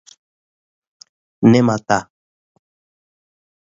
Ne ma taa.